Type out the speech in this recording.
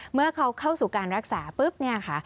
เมื่อเขาเข้าสู่การรักษาปุ๊บเนี่ยค่ะ